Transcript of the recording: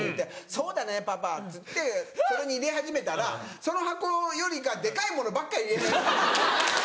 「そうだねパパ」って言ってそれに入れ始めたらその箱よりかデカいものばっか入れ始めて。